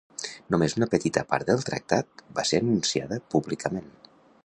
Només una petita part del tractat va ser anunciada públicament.